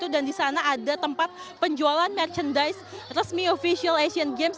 dan di sana ada tempat penjualan merchandise resmi official asian games